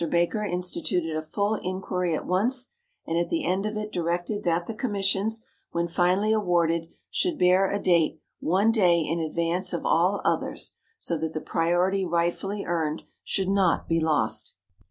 Baker instituted a full inquiry at once, and at the end of it directed that the commissions, when finally awarded, should bear a date one day in advance of all others, so that the priority rightfully earned should not be lost.